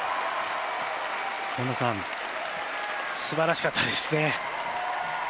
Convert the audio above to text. すばらしかったですね。